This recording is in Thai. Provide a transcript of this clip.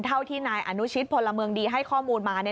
เท่าที่นายอนุชิตพลเมืองดีให้ข้อมูลมา